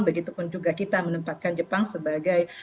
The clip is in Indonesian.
begitu pun juga kita menempatkan jepang sebagai